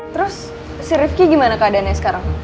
terus si rivki gimana keadaannya sekarang